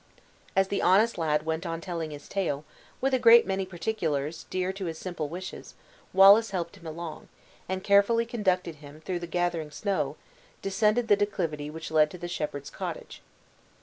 As the honest lad went on telling his tale, with a great many particulars dear to his simple wishes, Wallace helped him along; and carefully conducting him through the gathering snow, descended the declivity which led to the shepherd's cottage.